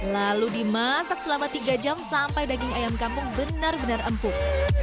lalu dimasak selama tiga jam sampai daging ayam kampung benar benar empuk